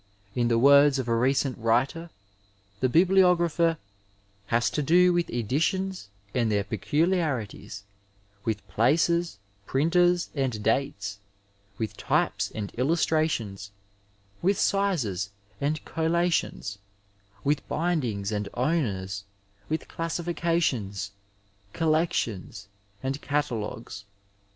In the words of a recent writer, the bibliographer '^ has to do with editions and their pecu liarities, with places, printers, and dates, with types and illustrations, with sizes and collations, with bindings and owners, with classifications, collections, and catalogues.